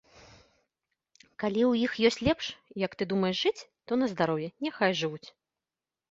Калі ў іх ёсць лепш, як ты думаеш, жыць, то на здароўе, няхай жывуць.